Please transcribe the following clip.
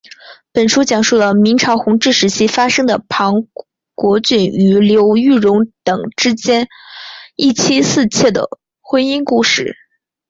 本书讲述了明朝弘治时期发生的庞国俊与刘玉蓉等之间一妻四妾的婚姻故事。